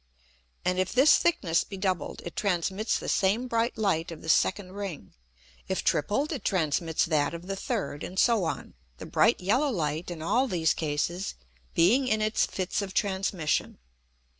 And if this thickness be doubled, it transmits the same bright Light of the second Ring; if tripled, it transmits that of the third, and so on; the bright yellow Light in all these cases being in its Fits of Transmission.